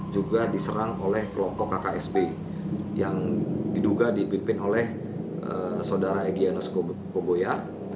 juga diserang oleh kelompok kksb yang diduga dipimpin oleh saudara egyanus koboya